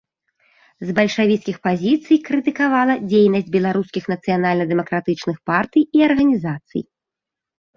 З бальшавіцкіх пазіцый крытыкавала дзейнасць беларускіх нацыянальна-дэмакратычных партый і арганізацый.